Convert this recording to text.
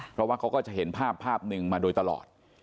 เพราะว่าเขาก็จะเห็นภาพภาพหนึ่งมาโดยตลอด